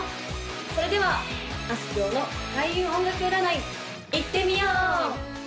それではあすきょうの開運音楽占いいってみよう！